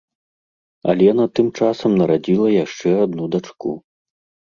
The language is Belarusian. Алена тым часам нарадзіла яшчэ адну дачку.